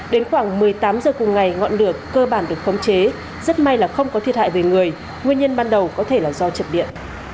đến khoảng một mươi tám h cùng ngày ngọn lửa cơ bản được khống chế rất may là không có thiệt hại về người nguyên nhân ban đầu có thể là do chập điện